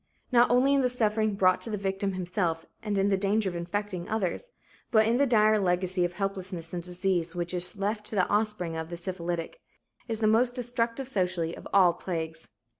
Not only in the suffering brought to the victim himself and in the danger of infecting others, but in the dire legacy of helplessness and disease which is left to the offspring of the syphilitic, is this the most destructive socially, of all "plagues."